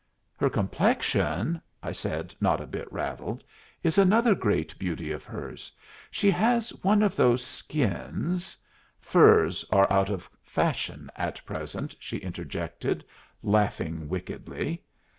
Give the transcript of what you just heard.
"Her complexion," I said, not a bit rattled, "is another great beauty of hers. She has one of those skins " "Furs are out of fashion at present," she interjected, laughing wickedly.